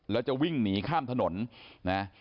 แล้วจะวิ่งหนีข้ามถนนนะ